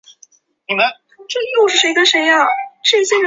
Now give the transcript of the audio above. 蓝玉簪龙胆为龙胆科龙胆属的植物。